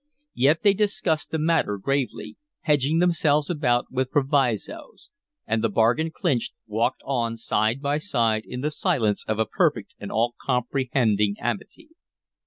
Yet they discussed the matter gravely, hedging themselves about with provisos, and, the bargain clinched, walked on side by side in the silence of a perfect and all comprehending amity.